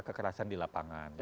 kekerasan di lapangan